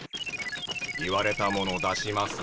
言われたもの出します。